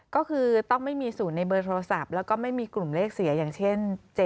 ก็คือต้องไม่มีศูนย์ในเบอร์โทรศัพท์แล้วก็ไม่มีกลุ่มเลขเสียอย่างเช่น